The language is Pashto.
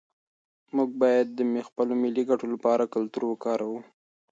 موږ باید د خپلو ملي ګټو لپاره کلتور وکاروو.